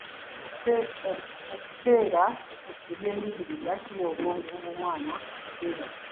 Okukeera ebyenjigiriza kiwa obwongo bw'omwana akaseera okukula.